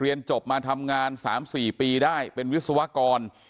เรียนจบมาทำงาน๓๔ปีได้เป็นวิศวกร